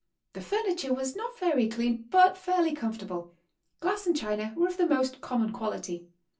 The furniture was not very clean, but fairly comfortable: glass and china were of the most common quality.